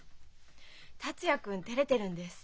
達也君てれてるんです。